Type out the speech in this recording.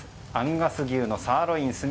アンガス牛のサーロイン。